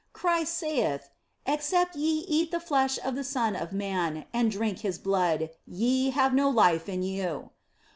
Christ saith, " Except ye eat the flesh of the Son of Man and drink His blood, ye have no life in you."